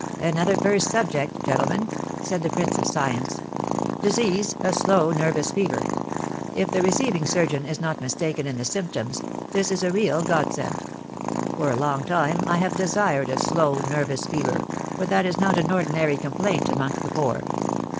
"Another first subject, gentlemen," said the prince of science. "Disease, a slow nervous fever; if the receiving surgeon is not mistaken in the symptoms, this is a real godsend. For a long time I have desired a slow nervous fever, for that is not an ordinary complaint amongst the poor.